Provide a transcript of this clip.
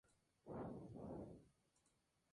Casi la mitad de los hombres murieron en la misión.